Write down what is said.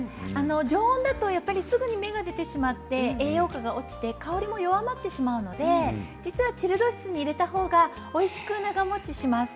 常温だとやっぱりすぐに芽が出てしまって栄養価が落ちて香りも弱まってしまうので実はチルド室に入れたほうがおいしく長もちします。